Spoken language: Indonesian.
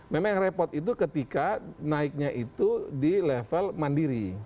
memang yang repot itu ketika naiknya itu di level mandiri